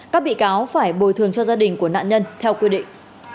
các bị cáo phải bồi thường cho gia đình của nạn nhân theo quy định